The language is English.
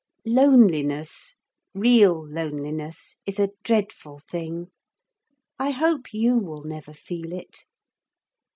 Loneliness, real loneliness is a dreadful thing. I hope you will never feel it.